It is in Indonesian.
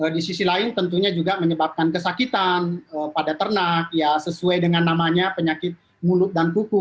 di sisi lain tentunya juga menyebabkan kesakitan pada ternak sesuai dengan namanya penyakit mulut dan kuku